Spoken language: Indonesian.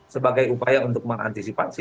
sebagai upaya untuk mengantisipasi